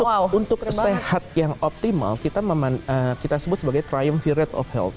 jadi untuk sehat yang optimal kita sebut sebagai triumph rate of health